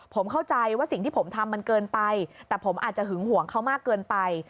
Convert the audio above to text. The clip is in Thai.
ผมเข้าใจว่าสิ่งที่ผมทำมันเกินไปแต่ผมอาจจะหึงห่วงเขามากเกินไป